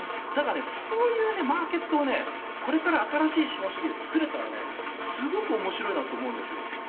そういうマーケットをこれから新しい資本主義で作れたらすごく面白いなと思うんです。